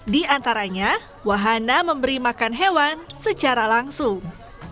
di antaranya wahana memberi makan hewan secara langsung